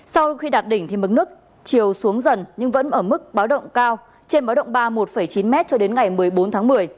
sau khi đạt đỉnh thì mức nước chiều xuống dần nhưng vẫn ở mức báo động cao trên báo động ba một chín m cho đến ngày một mươi bốn tháng một mươi